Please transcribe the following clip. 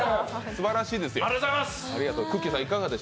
すばらしいですよ。